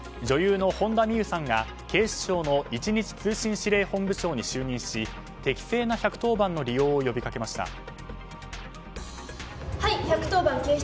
女優の本田望結さんが警視庁の一日通信指令本部長に就任し、適正な１１０番の利用を呼びかけました。